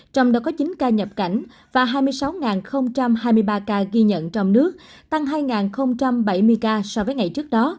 trong đó có chín ca nhập cảnh và hai mươi sáu hai mươi ba ca ghi nhận trong nước tăng hai bảy mươi ca so với ngày trước đó